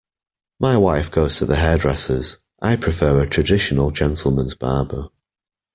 My wife goes to the hairdressers; I prefer a traditional gentleman's barber.